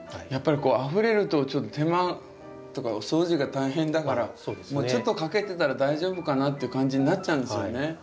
やっぱりあふれると手間とかお掃除が大変だからちょっとかけてたら大丈夫かなっていう感じになっちゃうんですよね。